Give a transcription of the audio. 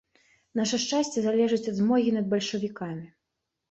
Наша шчасце залежыць ад змогі над бальшавікамі.